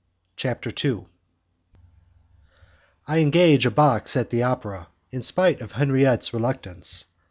CHAPTER II I Engage a Box at the Opera, in Spite of Henriette's Reluctance M.